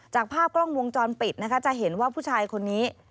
จากภาพกล้องวงจรปิดนะคะจะเห็นว่าผู้ชายคนนี้